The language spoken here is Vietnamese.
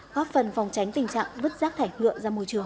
góp phần phòng tránh tình trạng vứt rác thải ngựa ra môi trường